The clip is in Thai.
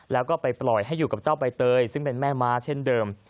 แล้วก็ไปปล่อยให้อยู่กับเจ้าใบเตยซึ่งเป็นแม่ม้าเช่นเดิม